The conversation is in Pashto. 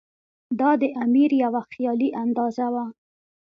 دا د امیر یوه خیالي اندازه وه.